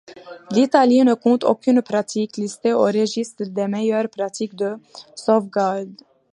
L'Italie ne compte aucune pratique listée au registre des meilleures pratiques de sauvegarde.